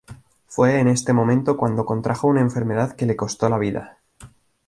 Fue en este momento cuando contrajo una enfermedad que le costó la vida.